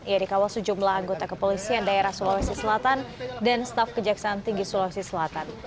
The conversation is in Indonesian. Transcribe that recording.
ia dikawal sejumlah anggota kepolisian daerah sulawesi selatan dan staf kejaksaan tinggi sulawesi selatan